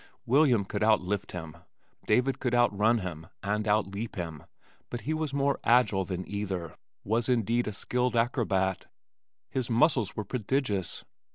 William could outlift him, David could out run him and outleap him, but he was more agile than either was indeed a skilled acrobat. His muscles were prodigious.